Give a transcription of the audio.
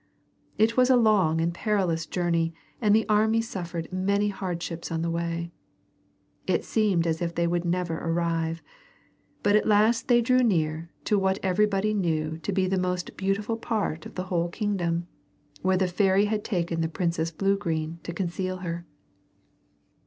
It was a long and perilous journey and the army suffered many hardships on the way. It seemed as if they would never arrive, but at last they drew near to what everybody knew to be the most beautiful part of the whole kingdom, where the fairy had taken the Princess Bluegreen to conceal her.